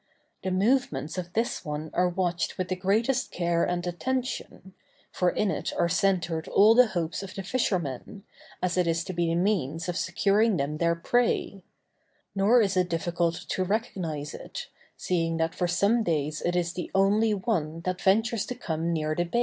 The movements of this one are watched with the greatest care and attention, for in it are centred all the hopes of the fishermen, as it is to be the means of securing them their prey; nor is it difficult to recognize it, seeing that for some days it is the only one that ventures to come near the bait.